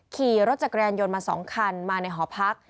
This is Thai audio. ขี่รถจักรยานยนต์มา๒คันมาในหอพัก